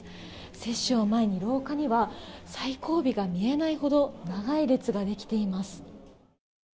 接種を前に廊下には最後尾が見えないほど長い列ができています。